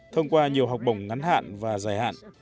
thông qua nhiều học bổng ngắn hạn và dài hạn